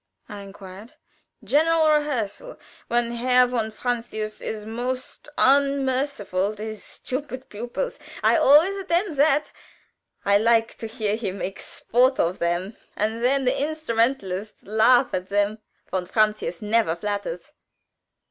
I inquired. "General rehearsal when Herr von Francius is most unmerciful to his stupid pupils. I always attend that. I like to hear him make sport of them, and then the instrumentalists laugh at them. Von Francius never flatters."